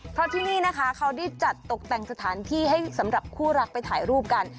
เพราะที่นี่นะคะเขาได้จัดตกแต่งสถานที่ให้สำหรับคู่รักไปถ่ายรูปกัน